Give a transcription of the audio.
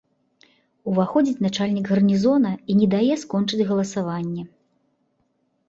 Уваходзіць начальнік гарнізона і не дае скончыць галасаванне.